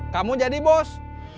kamu jadi bos